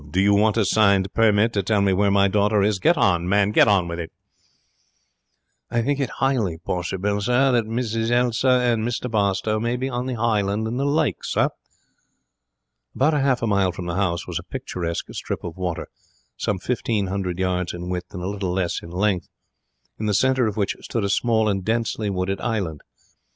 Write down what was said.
Do you want a signed permit to tell me where my daughter is? Get on, man, get on!' 'I think it 'ighly possible, sir, that Miss Elsa and Mr Barstowe may be on the hisland in the lake, sir.' About half a mile from the house was a picturesque strip of water, some fifteen hundred yards in width and a little less in length, in the centre of which stood a small and densely wooded island.